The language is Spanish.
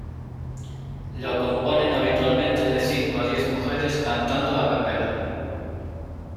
Lo componen habitualmente de cinco a diez mujeres cantando a capella.